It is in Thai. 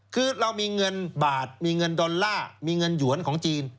คือเรามีเงินบาทมีเงินดอลลาร์มีเงินหยวนของจีน